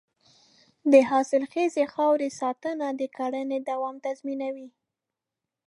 د حاصلخیزې خاورې ساتنه د کرنې دوام تضمینوي.